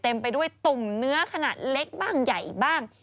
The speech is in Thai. ไปด้วยตุ่มเนื้อขนาดเล็กบ้างใหญ่บ้าง